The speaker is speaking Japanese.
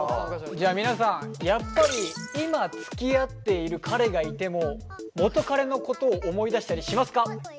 じゃあ皆さんやっぱり今つきあっている彼がいても元カレのことを思い出したりしますか？